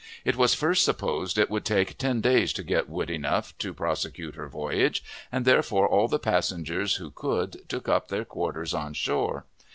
It was first supposed it would take ten days to get wood enough to prosecute her voyage, and therefore all the passengers who could took up their quarters on shore.